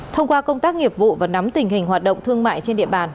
thông qua công tác nghiệp vụ và nắm tình hình hoạt động thương mại trên địa bàn